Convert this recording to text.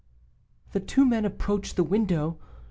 "The two men approached the window.